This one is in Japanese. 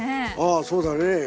あそうだね。